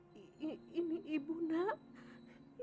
kamu bukan ibu saya